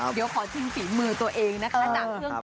เดี๋ยวขอชิมฝีมือตัวเองนะคะ